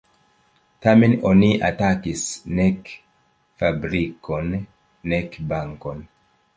Tamen oni atakis nek fabrikon nek bankon.